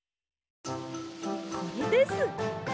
これです！